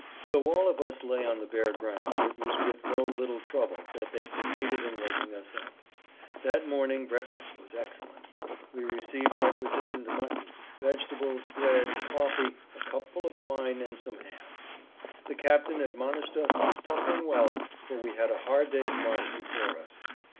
Though all of us lay on the bare ground it was with no little trouble that they succeeded in waking us up. That morning breakfast was excellent. We received requisitioned mutton, vegetables, bread, coffee, a cupful of wine, and some ham. The captain admonished us to stuff in well, for we had a hard day's march before us.